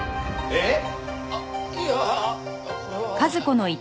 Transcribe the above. えっ？